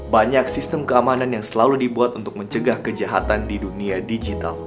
banyak sistem keamanan yang selalu dibuat untuk mencegah kejahatan di dunia digital